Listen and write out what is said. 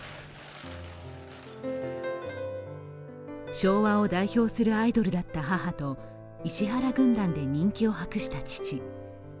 昭和を代表するアイドルだった母と石原軍団で人気を博した父。